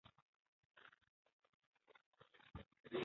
金莲花奖最佳编剧是澳门国际电影节金莲花奖的常设奖项。